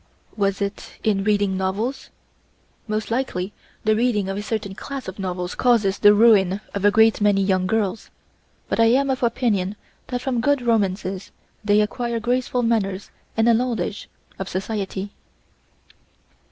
Was it in reading novels? Most likely the reading of a certain class of novels causes the ruin of a great many young girls, but I am of opinion that from good romances they acquire graceful manners and a knowledge of society.